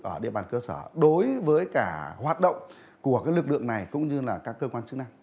ở địa bàn cơ sở đối với cả hoạt động của lực lượng này cũng như là các cơ quan chức năng